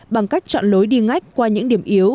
bằng cách chọn lối đi ngách qua những điểm yếu